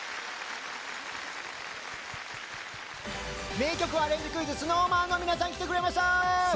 名曲アレンジクイズＳｎｏｗＭａｎの皆さんが来てくれました！